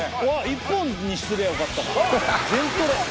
１本にしてりゃよかったか？